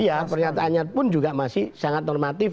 iya pernyataannya pun juga masih sangat normatif